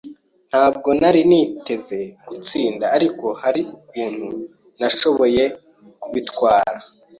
Ntabwo nari niteze gutsinda, ariko hari ukuntu nashoboye kubitwara.